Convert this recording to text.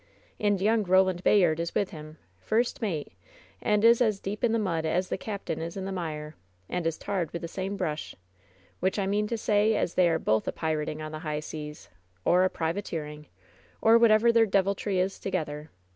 And young Koland Bayard is with him — ^first mate — and is as deep in the mud as the captain is in the mire, and is tarred with the same brush — ^which I mean to say as they are both a pirating on the high seas, or a pri vateering, or whatever their deviltry is, together.